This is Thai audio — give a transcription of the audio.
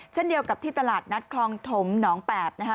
เช่นเดียวกับที่ตลาดนัดคลองถมหนองแปบนะคะ